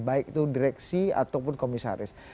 baik itu direksi ataupun komisaris